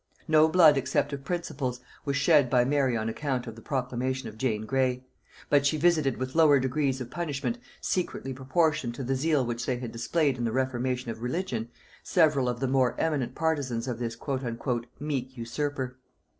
No blood except of principals, was shed by Mary on account of the proclamation of Jane Grey; but she visited with lower degrees of punishment, secretly proportioned to the zeal which they had displayed in the reformation of religion, several of the more eminent partisans of this "meek usurper."